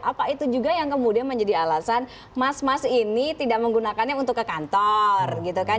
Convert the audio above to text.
apa itu juga yang kemudian menjadi alasan mas mas ini tidak menggunakannya untuk ke kantor gitu kan